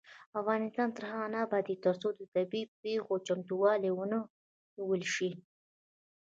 افغانستان تر هغو نه ابادیږي، ترڅو د طبيعي پیښو چمتووالی ونه نیول شي.